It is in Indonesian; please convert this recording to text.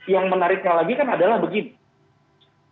yang menariknya lagi kan adalah begini